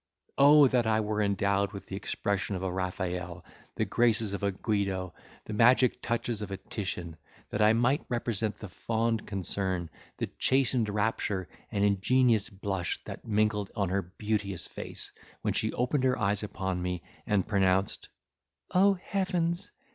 Oh that I were endowed with the expression of a Raphael, the graces of a Guido, the magic touches of a Titian, that I might represent the fond concern, the chastened rapture and ingenuous blush, that mingled on her beauteous face, when she opened her eyes upon me, and pronounced, "O heavens!